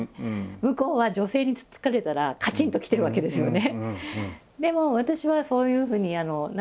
向こうは女性につっつかれたらカチンときてるわけですよね。